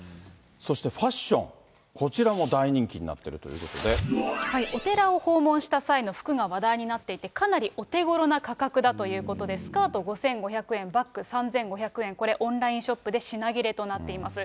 そしてファッション、こちらも大人気になっているということお寺を訪問した際の服が話題になっていて、かなりお手頃な価格だということで、スカート５５００円、バッグ３５００円、これ、オンラインショップで品切れとなっています。